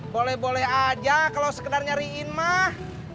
boleh boleh aja kalau sekedar nyariin mah